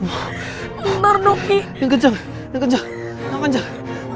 oh bener dong ini kencang kencang